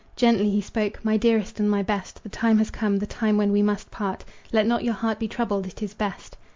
Gently he spoke: "My dearest and my best, The time has come the time when we must part. Let not your heart be troubled it is best."